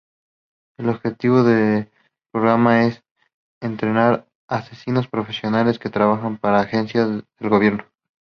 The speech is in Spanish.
El objetivo del programa es entrenar asesinos profesionales que trabajarán para agencias del Gobierno.